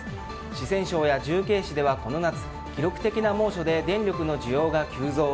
四川省や重慶市ではこの夏記録的な猛暑で電力の需要が急増。